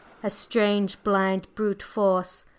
A strange, blind, brute Force!